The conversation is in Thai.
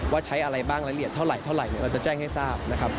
ใช้อะไรบ้างรายละเอียดเท่าไหรเท่าไหร่เราจะแจ้งให้ทราบนะครับ